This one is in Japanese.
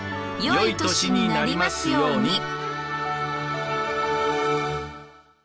よい年になりますように。